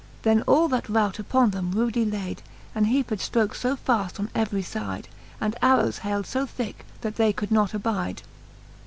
Then all that rout uppon them rudely laid, And heaped ftrokes fo fail on every fide, And arrowes haild fo thicke, that they cpuld not abide.